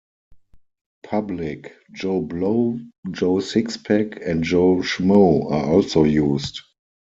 Public, Joe Blow, Joe Sixpack and Joe Schmoe are also used.